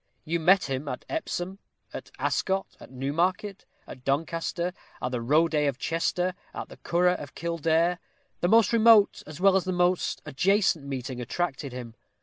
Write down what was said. You met him at Epsom, at Ascot, at Newmarket, at Doncaster, at the Roodee of Chester, at the Curragh of Kildare. The most remote as well as the most adjacent meeting attracted him.